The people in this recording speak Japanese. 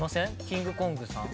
キングコングさん。